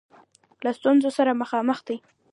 له ستونزه سره مخامخ دی.